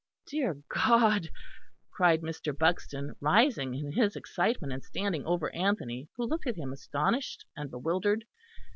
Dear God!" cried Mr. Buxton, rising in his excitement, and standing over Anthony, who looked at him astonished and bewildered.